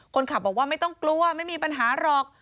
คนขับบอกว่าไม่ต้องกลัวไม่มีปัญหาหรอก